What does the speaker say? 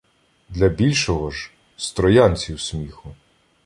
Для більшого ж: з троянців сміху